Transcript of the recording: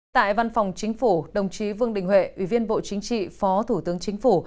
tại văn phòng chính phủ đồng chí vương đình huệ ủy viên bộ chính trị phó thủ tướng chính phủ